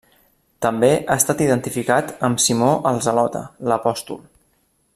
També ha estat identificat amb Simó el Zelota, l'apòstol.